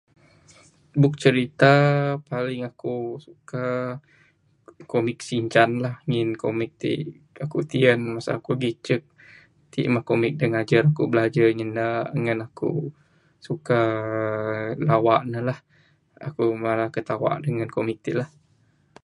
Buk crita da paling aku suka comic sinchan lah ngin comic ti ku tiyan masa ku lagi icek ti mah comic ku da ngajar nyanda ngan aku suka lawak ne lah. Aku mala ketawa dangan comic ti lah.